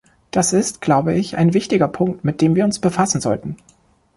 Das ist, glaube ich, ein wichtiger Punkt, mit dem wir uns befassen sollten.